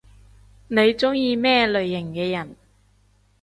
你中意咩類型嘅人？